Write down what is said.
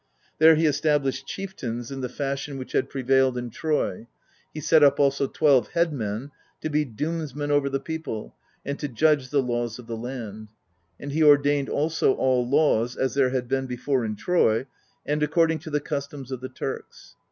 There he established chieftains in the PROLOGUE 9 fashion which had prevailed in Troy; he set up also twelve head men to be doomsmen over the people and to judge the laws of the land; and he ordained also all laws as there had been before in Troy, and according to the customs of the Turks.